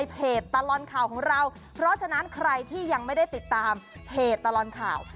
ตลอดข่าวของเราเพราะฉะนั้นใครที่ยังไม่ได้ติดตามเพจตลอดข่าว